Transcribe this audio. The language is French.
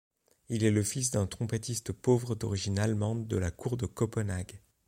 Il est le fils d’un trompettiste pauvre d'origine allemande de la cour de Copenhague.